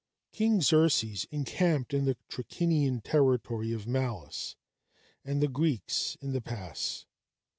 King Xerxes encamped in the Trachinian territory of Malis, and the Greeks in the pass.